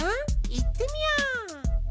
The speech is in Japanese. いってみよう！